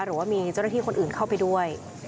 หรือว่ามีเจ้าหน้าที่คนอื่นเข้าไปด้วย